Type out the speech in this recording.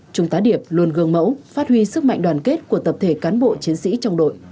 trung tá điệp luôn gương mẫu phát huy sức mạnh đoàn kết của tập thể cán bộ chiến sĩ trong đội